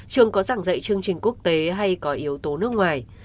trường có giảng dạy chương trình quốc tế hay có yếu tố nước ngoài